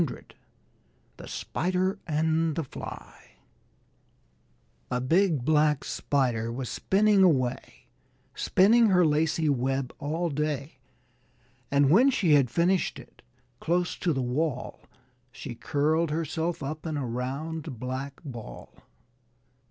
] THE SPIDER AND THE FLY A big Black Spider was spinning away, Spinning her lacey web all day; And when she had finished it, close to the wall She curled herself up in a round black ball.